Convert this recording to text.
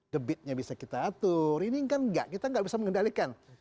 debitnya bisa kita atur ini kan enggak kita nggak bisa mengendalikan